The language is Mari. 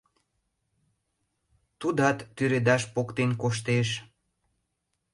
Тудат тӱредаш поктен коштеш.